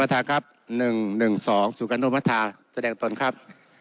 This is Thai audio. ท่านประธานครับหนึ่งหนึ่งสองสุกระโนมภาษาแสดงตนครับ